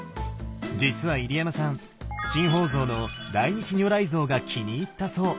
実は入山さん新宝蔵の大日如来像が気に入ったそう。